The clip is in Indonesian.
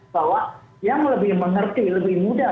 bahwa yang lebih mengerti lebih mudah